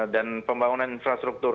dan pembangunan infrastruktur